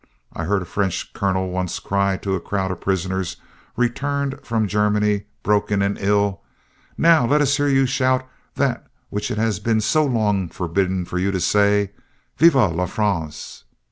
I heard a French colonel once cry to a crowd of prisoners returned from Germany, broken and ill: "Now, let us hear you shout that which it has been so long forbidden to you to say, 'Vive la France!'"